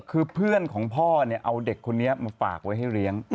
คือเพื่อนของพ่อเนี่ยเอาเด็กคนนี้มาฝากไว้ให้เลี้ยง